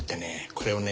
これをね